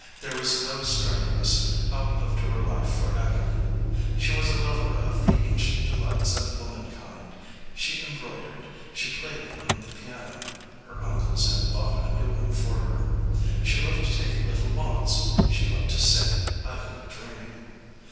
There was no strenuous out of door life for Ade line. She was a lover of the ancient delights of womankind; she embroidered; she played on the piano her uncles had bought a new one for her ; she loved to take little walks; she loved to sit, idly dreaming.